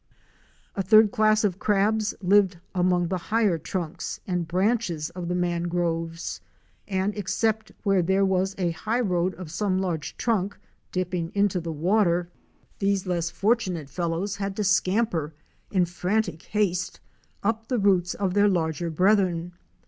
A third class of crabs lived among the higher trunks and branches of the mangroves, and, except where there was a highroad of some large trunk dipping into the water, these 18 OUR SEARCH FOR A WILDERNESS. less fortunate fellows had to scamper in frantic haste up the roots of their larger brethren.